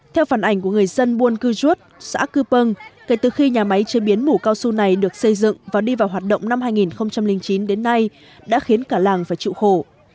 theo phản ảnh của người dân buôn cư chút xã cư pâng kể từ khi nhà máy chế biến mủ cao su này được xây dựng và đi vào hoạt động năm hai nghìn chín đến nay đã khiến cả làng phải chịu khổ